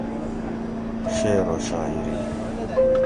شعرو شاعری